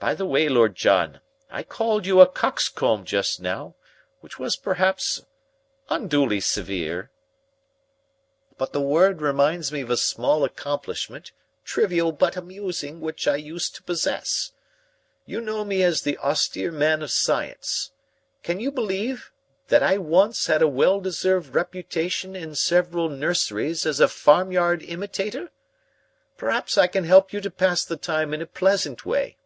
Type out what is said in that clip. By the way, Lord John, I called you a coxcomb just now, which was perhaps unduly severe. But the word reminds me of a small accomplishment, trivial but amusing, which I used to possess. You know me as the austere man of science. Can you believe that I once had a well deserved reputation in several nurseries as a farmyard imitator? Perhaps I can help you to pass the time in a pleasant way.